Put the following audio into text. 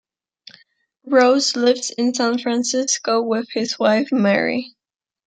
Rose lives in San Francisco with his wife Mary.